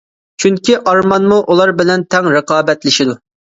چۈنكى ئارمانمۇ ئۇلار بىلەن تەڭ رىقابەتلىشىدۇ.